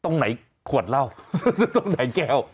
ตรงไหนขวดเหล้าตรงไหนแก้ว